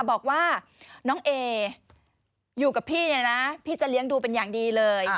บอกว่าน้องเออยู่กับพี่เนี่ยนะพี่จะเลี้ยงดูเป็นอย่างดีเลย